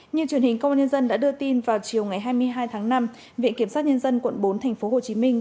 như truyền hình công an nhân dân đã đưa tin vào chiều ngày hai mươi hai tháng năm viện kiểm soát nhân dân quận bốn tp hồ chí minh